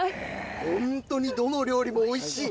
本当にどの料理もおいしい。